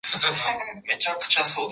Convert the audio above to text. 今日何食べた？